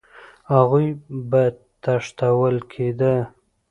هغوی به تښتول کېده